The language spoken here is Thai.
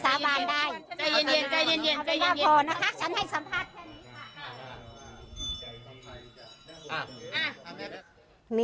สาบานได้